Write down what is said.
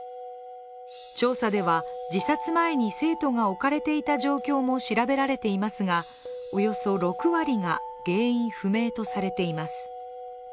調査では、自殺前に生徒が置かれていた状況も調べられていますがおよそ６割が原因不明とされています。